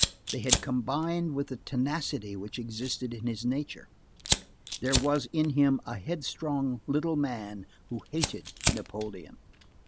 They had combined with the tenacity which existed in his nature. There was in him a headstrong little man who hated Napoleon.